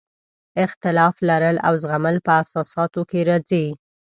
اختلاف لرل او زغمل په اساساتو کې راځي.